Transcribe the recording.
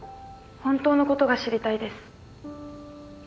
本当のことが知りたいです。